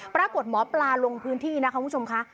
ปรากฏหมอปลาลงพื้นที่นะคะคุณผู้ชมค่ะ